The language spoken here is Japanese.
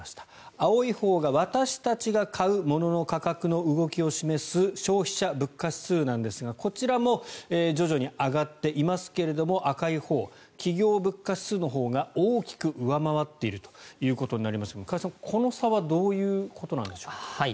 青いほうが私たちが買うものの価格の動きを示す消費者物価指数なんですがこちらも徐々に上がっていますけれど赤いほう企業物価指数のほうが大きく上回っているということになりますが加谷さん、この差はどういうことなんでしょうか。